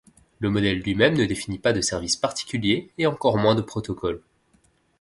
Le modèle lui-même ne définit pas de service particulier et encore moins de protocole.